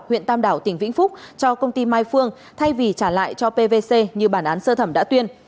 huyện tam đảo tỉnh vĩnh phúc cho công ty mai phương thay vì trả lại cho pvc như bản án sơ thẩm đã tuyên